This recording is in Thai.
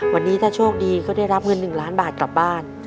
วันนี้ถ้าโชคดีก็ได้รับเงิน๑ล้านบาทกลับบ้าน